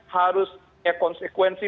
harus punya konsekuensi